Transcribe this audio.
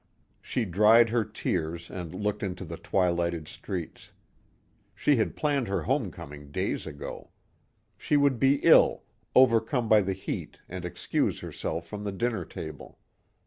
She dried her tears and looked into the twilighted streets. She had planned her homecoming days ago. She would be ill, overcome by the heat and excuse herself from the dinner table.